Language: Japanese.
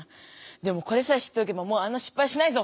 でもこれさえ知っておけばもうあんなしっぱいしないぞ！